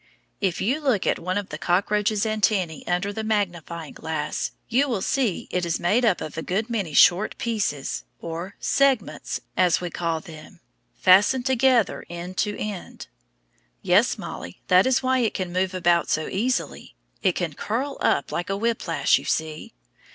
If you look at one of the cockroach's antennæ under the magnifying glass, you will see it is made up of a good many short pieces, or segments, as we call them, fastened together end to end. Yes, Mollie, that is why it can move about so easily. It can curl up like a whiplash, you see.